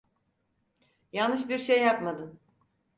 Yanlış bir şey yapmadın.